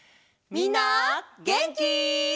みんなげんき？